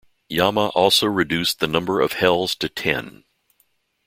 Yama also reduced the number of hells to ten.